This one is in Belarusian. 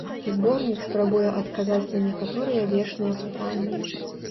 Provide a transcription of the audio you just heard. Зборнік спрабуе адказаць на некаторыя вечныя пытанні.